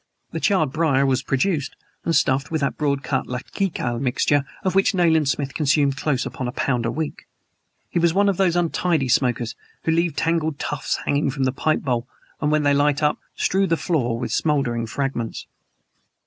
The charred briar was produced and stuffed with that broad cut Latakia mixture of which Nayland Smith consumed close upon a pound a week. He was one of those untidy smokers who leave tangled tufts hanging from the pipe bowl and when they light up strew the floor with smoldering fragments.